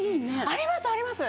ありますあります